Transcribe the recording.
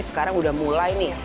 sekarang udah mulai nih